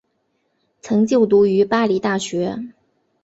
曾就读于巴黎大学。